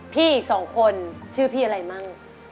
อีก๒คนชื่อพี่อะไรมั่ง